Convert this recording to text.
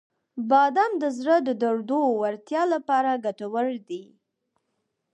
• بادام د زړه د دردو وړتیا لپاره ګټور دي.